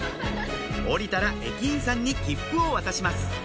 降りたら駅員さんに切符を渡します